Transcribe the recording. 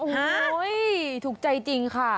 โหถูกใจจริงค่ะ